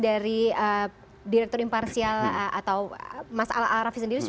dari direktur imparsial atau mas al arafi sendiri